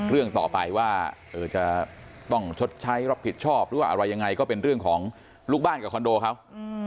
เรื่องต่อไปว่าจะต้องชดใช้รับผิดชอบหรือว่าอะไรยังไงก็เป็นเรื่องของลูกบ้านกับคอนโดเขา